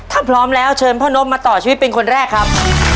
ถ้าพร้อมแล้วเชิญพ่อนพ่อนพจากจักรมาต่อชีวิตเป็นคนแรกครับ